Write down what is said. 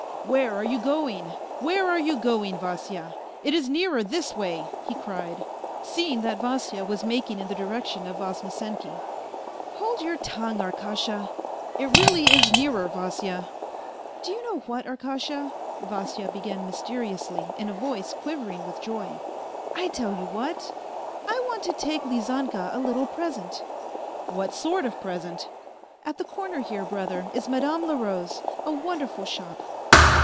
" Where are you going, where are you going, Vasya ? It is nearer this way," he cried, seeing that Vasya was making in the direction of Voznesenky. " Hold your tongue, Ar kasha." " It really is nearer, Vasya." " Do you know what, Arkasha ?" Vasya began mysteriously, in a voice quivering with joy, " I tell you what, I want to take Lizanka a little present." " What sort of present ?"" At the corner here, brother, is Madame Leroux's, a wonderful shop."